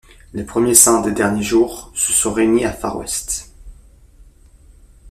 Les premiers Saints des derniers jours se sont réunis à Far West.